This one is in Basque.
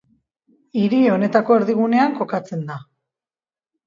Hiri honetako erdigunean kokatzen da.